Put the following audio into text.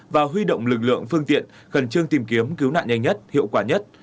và huy động lực lượng phương tiện khẩn trương tìm kiếm cứu nạn nhanh nhất hiệu quả nhất